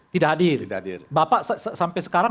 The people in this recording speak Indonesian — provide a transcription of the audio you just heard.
tidak hadir bapak sampai sekarang